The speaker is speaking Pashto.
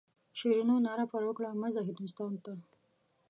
شیرینو ناره پر وکړه مه ځه هندوستان ته.